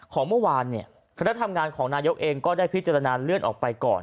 ของเมื่อวานเนี่ยคณะทำงานของนายกเองก็ได้พิจารณาเลื่อนออกไปก่อน